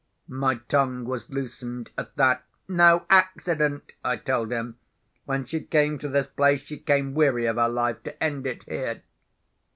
My tongue was loosened at that. "No accident!" I told him. "When she came to this place, she came weary of her life, to end it here."